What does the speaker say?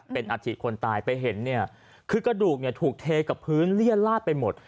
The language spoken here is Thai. เป็นอาธิคนตายไปเห็นเนี่ยคือกระดูกเนี่ยถูกเทกับพื้นเลี่ยนลาดไปหมด